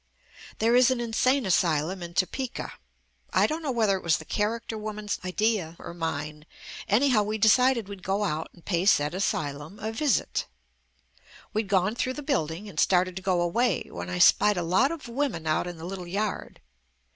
There is an insane asylum in Topeka. I don't know whether it was the character wom an's idea or mine, anyhow we decided we'd go out and pay said asylum a visit. We'd gone through the building and started to go away w r hen I spied a lot of women out in a little yard.